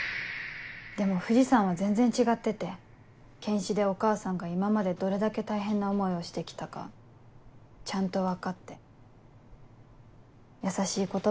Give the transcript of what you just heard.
でも藤さんは全然違ってて検視でお母さんが今までどれだけ大変な思いをして来たかちゃんと分かって優しい言葉を掛けてて。